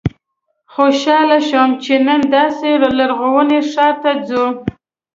خوشاله شوم چې نن داسې لرغوني ښار ته ځو.